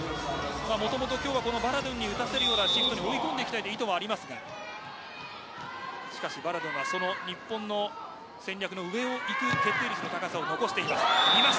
もともと今日はバラドゥンに打たせるようなシステムで追い込んでいきたい意図はありますがしかし、バラドゥンはその日本の戦略の上をいく決定率の高さを残しています。